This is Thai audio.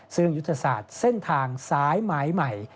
ซึ่งยุทธศาสตร์เส้นทางสายหมายใหม่